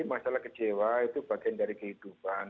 masalah kecewa itu bagian dari kehidupan